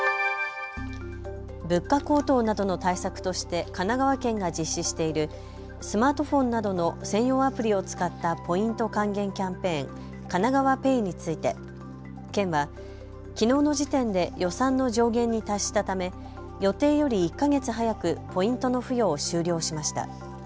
物価高騰などの対策として神奈川県が実施しているスマートフォンなどの専用アプリを使ったポイント還元キャンペーン、かながわＰａｙについて県はきのうの時点で予算の上限に達したため予定より１か月早くポイントの付与を終了しました。